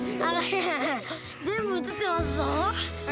全部映ってますぞ。